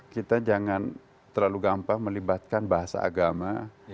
kita jangan terlalu gampang melibatkan bahasa agama